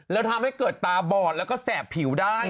แล้วทำให้เกิดตาบอดแล้วก็แสบผิวได้